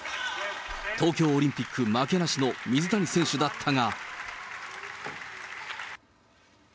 東京オリンピック負けなしの水谷選手だったが。